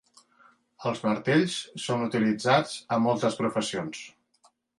Els martells són utilitzats a moltes professions.